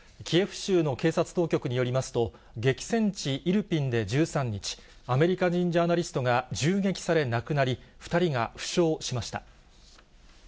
キエフ州の警察当局によりますと、激戦地イルピンで１３日、アメリカ人ジャーナリストが銃撃され亡くなり、２人が負傷しました。